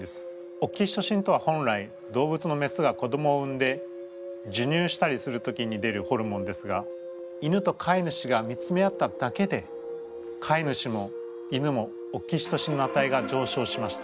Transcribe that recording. オキシトシンとは本来動物のメスが子どもを産んでじゅにゅうしたりする時に出るホルモンですが犬と飼い主が見つめ合っただけで飼い主も犬もオキシトシンのあたいが上昇しました。